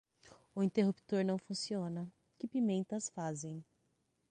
O interruptor não funciona, que pimentas fazem!